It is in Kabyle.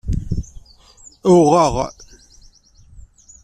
Uwɣeɣ.